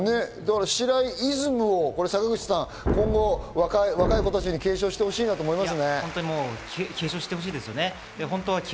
白井イズムを今後、若い子たちに継承してほしいなと思いますね、坂口さん。